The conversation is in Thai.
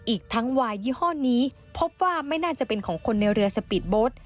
อีกทั้งวายยี่ห้อนี้พบว่าไม่น่าจะเป็นของคนในเรือสปีดโบสต์